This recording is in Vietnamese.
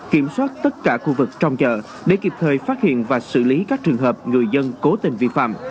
kiểm soát tất cả khu vực trong chợ để kịp thời phát hiện và xử lý các trường hợp người dân cố tình vi phạm